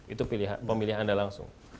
itu pemilihan anda langsung